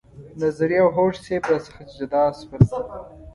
نظري او هوډ صیب را څخه جدا شول.